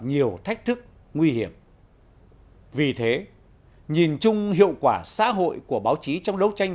nhiều thách thức nguy hiểm vì thế nhìn chung hiệu quả xã hội của báo chí trong đấu tranh